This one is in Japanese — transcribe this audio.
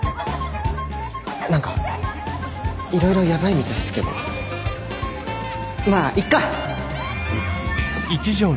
何かいろいろやばいみたいっすけどまあいっか。